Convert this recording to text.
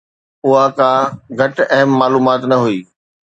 اها ڪا گهٽ اهم معلومات نه هئي.